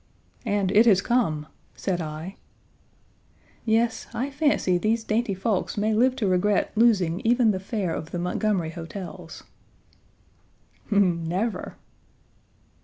"And it, has come," said I. "Yes, I fancy these dainty folks may live to regret losing even the fare of the Montgomery hotels." "Never."